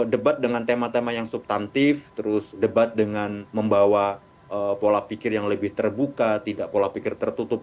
debat dengan tema tema yang subtantif terus debat dengan membawa pola pikir yang lebih terbuka tidak pola pikir tertutup